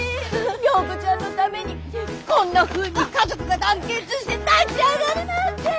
涼子ちゃんのためにこんなふうに家族が団結して立ち上がるなんて。